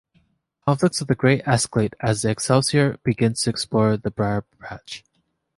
Conflicts with the Grey escalate as the "Excelsior" begins to explore the Briar Patch.